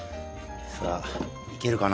さあいけるかな。